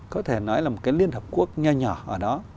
có thể nói là một cái liên hợp quốc nha nhỏ nhỏ ở đó